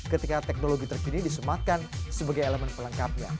ketika teknologi terkini disematkan sebagai elemen pelengkapnya